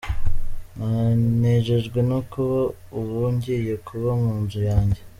Nejejwe no kuba ubu ngiye kuba mu nzu yanjye.